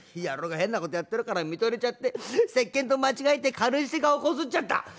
「野郎が変なことやってるから見とれちゃってせっけんと間違えて軽石で顔こすっちゃった」。